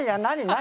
何？